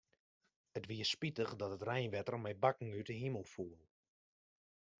It wie spitich dat it reinwetter mei bakken út 'e himel foel.